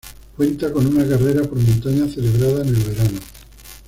Cuenta con una carrera por montaña celebrada en el verano.